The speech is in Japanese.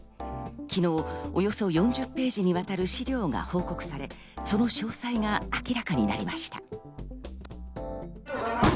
昨日、およそ４０ページにわたる資料が報告され、その詳細が明らかになりました。